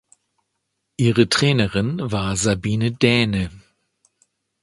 Ihre Trainerin war Sabine Dähne.